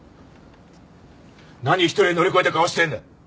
何一人で乗り越えた顔してんだよ。